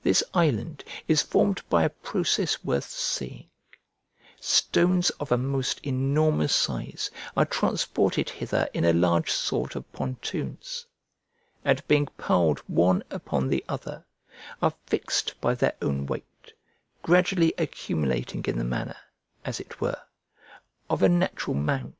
This island is formed by a process worth seeing: stones of a most enormous size are transported hither in a large sort of pontoons, and being piled one upon the other, are fixed by their own weight, gradually accumulating in the manner, as it were, of a natural mound.